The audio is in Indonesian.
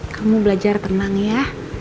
kamu belajar tenang ya